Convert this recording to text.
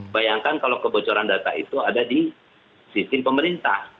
bayangkan kalau kebocoran data itu ada di sistem pemerintah